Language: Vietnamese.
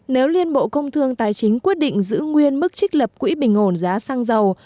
nếu liên bộ công thương tài chính quyết định giữ nguyên mức trích lập quỹ bình ổn giá xăng dầu